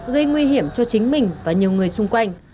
gây nguy hiểm cho chính mình và nhiều người xung quanh